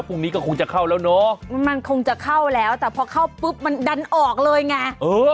พรุ่งนี้ก็คงจะเข้าแล้วเนอะมันคงจะเข้าแล้วแต่พอเข้าปุ๊บมันดันออกเลยไงเออ